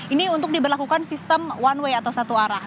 ini untuk diberlakukan sistem one way atau satu arah